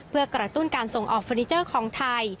เพื่อกระตุ้นการส่งออกเฟอร์นิเจอร์ของไทย